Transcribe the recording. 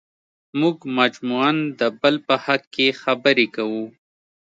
موږ مجموعاً د بل په حق کې خبرې کوو.